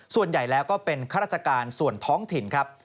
ส่วนใหญ่แล้วก็เป็นข้าราชการส่วนท้องถิ่นครับ